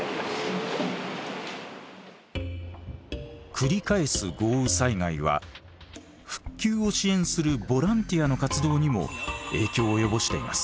繰り返す豪雨災害は復旧を支援するボランティアの活動にも影響を及ぼしています。